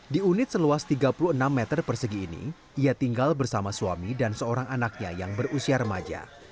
di unit seluas tiga puluh enam meter persegi ini ia tinggal bersama suami dan seorang anaknya yang berusia remaja